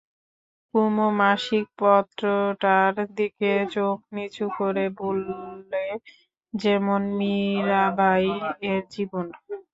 কুমু মাসিক পত্রটার দিকে চোখ নিচু করে বললে, যেমন মীরাবাইএর জীবন।